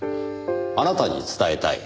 あなたに伝えたい。